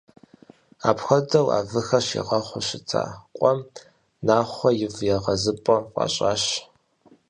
Апхуэдэу, а выхэр щигъэхъуу щыта къуэм «Нахъуэ и вы егъэзыпӏэ» фӏащащ.